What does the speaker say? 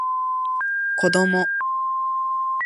こども